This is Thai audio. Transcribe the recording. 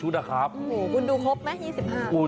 โอ้โหคุณดูครบไหม๒๕